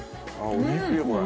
おいしいこれ。